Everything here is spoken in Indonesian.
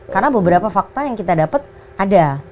karena beberapa fakta yang kita dapat ada